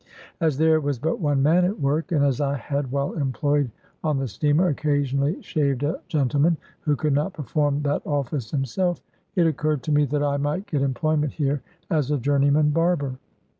As there was but one man at work, and as I had, while employed on the steamer, occasionally shaved a gentle man, who could not perform that office himself, it oc curred to me that I might get employment here as a journeyman barber.